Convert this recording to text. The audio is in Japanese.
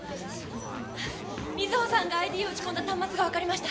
美津保さんがＩＤを打ち込んだ端末がわかりました。